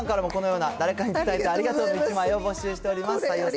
皆さんからもこのような誰かに伝えたいありがとうの１枚を募集しております。